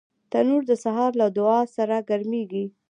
تنور د سهار له دعا سره ګرمېږي